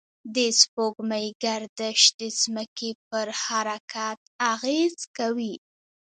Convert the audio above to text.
د سپوږمۍ گردش د ځمکې پر حرکت اغېز کوي.